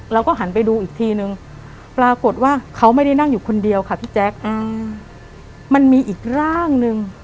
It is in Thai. หัวหันไปทั้งหลัง